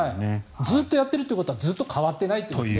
ずっとやってるということはずっと変わってないと。